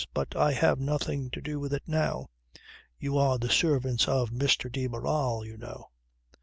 But I have nothing to do with it now. You are the servants of Mr. de Barral you know."